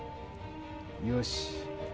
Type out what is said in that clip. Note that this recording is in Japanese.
よし。